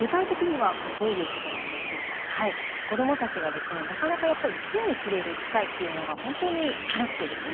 はい子供たちがなかなかやっぱり土に触れる機会っていうのが本当になくてですね